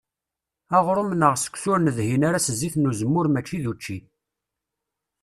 Aɣrum neɣ seksu ur nedhin ara s zzit n uzemmur mačči d učči.